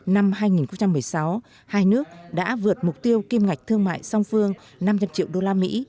năm hai nghìn một mươi sáu hai nước đã vượt mục tiêu kim ngạch thương mại song phương năm trăm linh triệu đô la mỹ